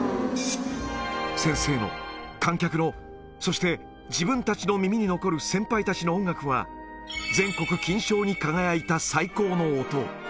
先生の、観客の、そして自分たちの耳に残る先輩たちの音楽は、全国金賞に輝いた最高の音。